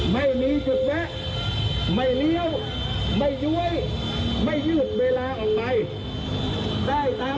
ไม่มีจุดแวะไม่เลี้ยวไม่ย้วยไม่ยืดเวลาออกไปได้ตาม